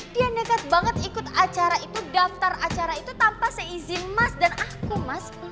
dia nekat banget ikut acara itu daftar acara itu tanpa seizin mas dan aku mas